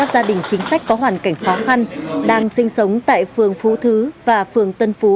gia đình chính sách có hoàn cảnh khó khăn đang sinh sống tại phường phú thứ và phường tân phú